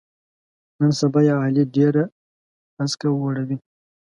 نن سبا یې علي ډېره اسکه وړوي.